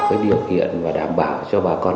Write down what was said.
cái điều kiện và đảm bảo cho bà con